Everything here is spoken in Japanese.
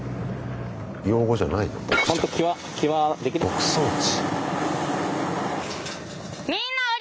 牧草地。